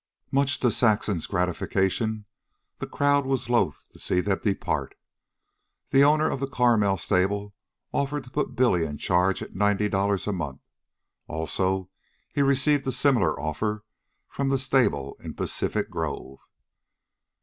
Much to Saxon's gratification, the crowd was loth to see them depart. The owner of the Carmel stable offered to put Billy in charge at ninety dollars a month. Also, he received a similar offer from the stable in Pacific Grove.